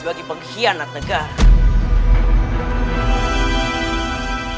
bagi pengkhianat negara